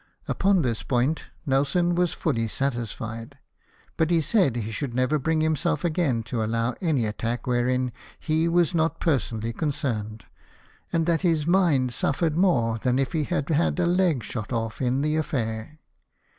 Upon this point Nelson was fully satisfied; but he said he should never bring himself again to allow any attack wherein he was not personally concerned, and that his mind suffered more than if he had had a leg shot off in the affair.